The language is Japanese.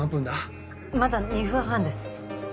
まだ２分半です。